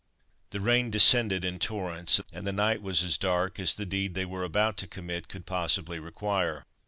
The rain descended in torrents, and the night was as dark as the deed they were about to commit could possibly require.